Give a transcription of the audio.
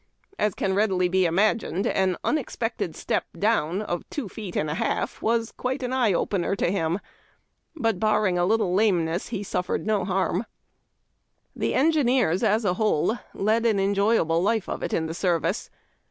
As can readily be imagined, an unexpected step down of two feet and a half was quite an "eye ARMY ROAD AND BRIDGE BUILDERS. 393 opener "' to him, but, barring a little lameness, he suffered no harm. The engineers, as a whole, led an enjoyable life of it in the service.